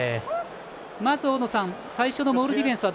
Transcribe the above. まず大野さん最初のモールディフェンスは